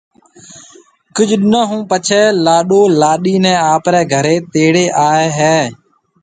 ڪجھ ڏنون ھون پڇيَ لاڏو لاڏِي نيَ آپرَي گھرَي تيڙي آئيَ ھيََََ